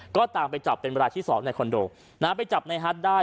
ก็ตามไปจับเป็นเวลาที่สองในคอนโดนะฮะไปจับในฮัทได้